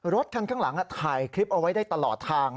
รถคันข้างหลังถ่ายคลิปเอาไว้ได้ตลอดทาง